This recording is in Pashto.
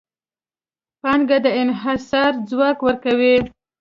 پانګه د انحصار ځواک ورکوي.